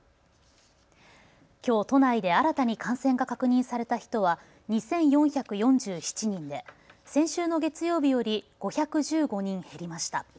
きょう都内で新たに感染が確認された人は２４４７人で先週の月曜日より５１５人減りました。